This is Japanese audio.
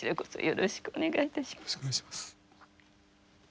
よろしくお願いします。